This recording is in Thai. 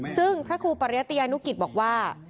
ซึ่งพระครูปรญญัตยนุกิตกว่า